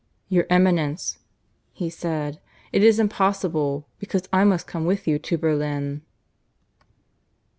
"Your Eminence," he said, "it is impossible, because I must come with you to Berlin."